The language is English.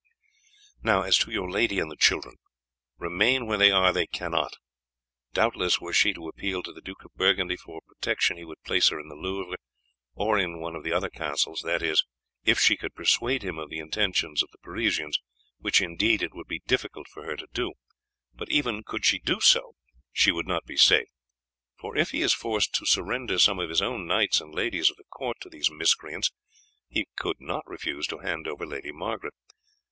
"Now as to your lady and the children, remain where they are they cannot. Doubtless were she to appeal to the Duke of Burgundy for protection he would place her in the Louvre, or in one of the other castles that is, if she could persuade him of the intentions of the Parisians, which indeed it would be difficult for her to do; but even could she do so she would not be safe, for if he is forced to surrender some of his own knights and ladies of the court to these miscreants, he could not refuse to hand over Lady Margaret.